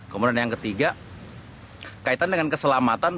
kemudian yang ketiga kaitan dengan keselamatan